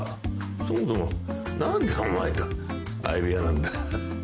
そもそも何でお前と相部屋なんだ。